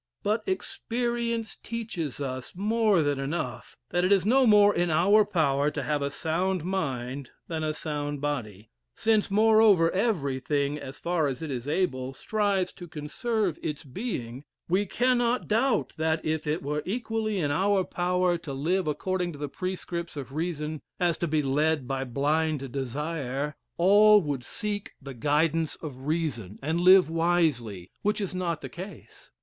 But experience teaches us more than enough, that it is no more in our power to have a sound mind than a sound body. Since, moreover, everything, as far as it is able, strives to conserve its being, we cannot doubt that if it were equally in our power to live according to the prescripts of reason, as to be led by blind desire, all would seek the guidance of reason and live wisely, which is not the case.